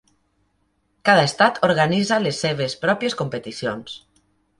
Cada Estat organitza les seves pròpies competicions.